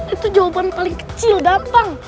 itu jawaban paling kecil gampang